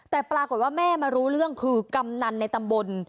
แต่ปรากฏว่าแม่มารู้เรื่องคือกำนันในตำบล